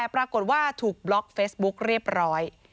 ปรากฏว่าถูกบล็อกเฟซบุ๊กเรียบร้อย